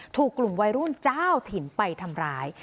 ถูกกลุ่มวัยรุ่นเจ้าถิ่นไปทำร้าย